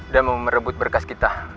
dan mau merebut berkas kita